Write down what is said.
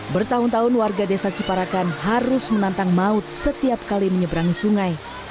bertahun tahun warga desa ciparakan harus menantang maut setiap kali menyeberangi sungai